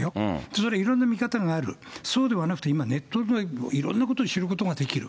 それはいろんな見方がある、そうではなくて、今、ネットでいろんなことを知ることができる。